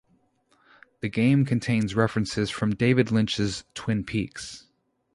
The game contains references from David Lynch's "Twin Peaks".